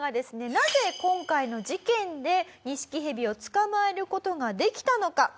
なぜ今回の事件でニシキヘビを捕まえる事ができたのか？